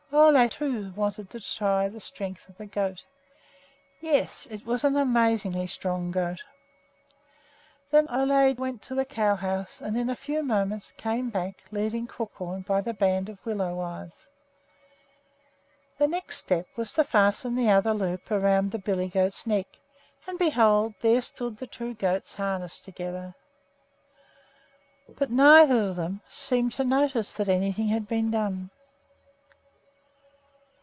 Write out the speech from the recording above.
Ole, too, wanted to try the strength of the goat. Yes, it was an amazingly strong goat. Then Ole went into the cow house, and in a few moments came back leading Crookhorn by the band of willow withes. The next step was to fasten the other loop around the billy goat's neck, and behold! there stood the two goats harnessed together. But neither of them seemed to notice that anything had been done.